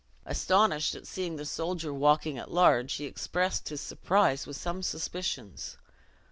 Astonished at seeing the soldier walking at large, he expressed his surprise with some suspicions.